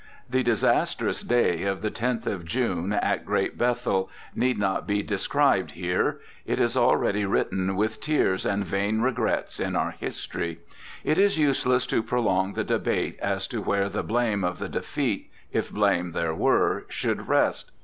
The disastrous day of the 10th of June, at Great Bethel, need not be described here. It is already written with tears and vain regrets in our history. It is useless to prolong the debate as to where the blame of the defeat, if blame there were, should rest.